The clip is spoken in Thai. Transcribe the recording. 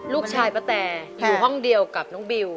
ป้าแตอยู่ห้องเดียวกับน้องบิว